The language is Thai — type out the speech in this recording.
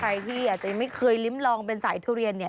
ใครที่อาจจะไม่เคยลิ้มลองเป็นสายทุเรียนเนี่ย